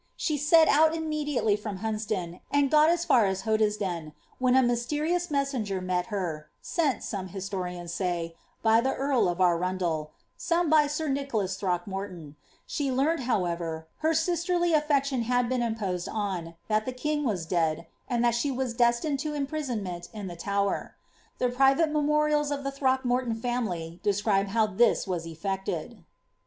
'^' She set out immediately from Hunsdon, and got as far as Hoddesden, when a mysterious messenger met her^ seou some historians say, by the earl of Arundel, some by sir Nichobs Throckmorton : she learned, however, that her sisterly afiection had been imposed on, that the king was dead, and that she was destined to imprisonment in the Tower.* The private memorials of the Throck morton family describe how this was effected.